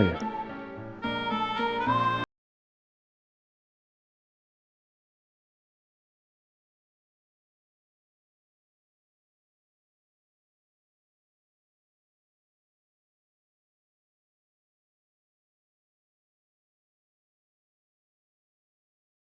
ya udah deh